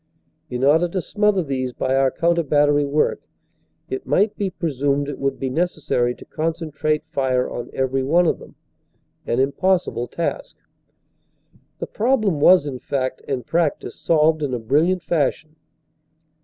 In order to smother these by our counter battery work it might be presumed it would be necessary to concentrate fire on every one of them, an impossible task. The problem was in fact and practice solved in a brilliant fashion.